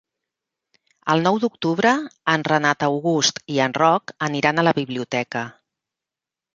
El nou d'octubre en Renat August i en Roc aniran a la biblioteca.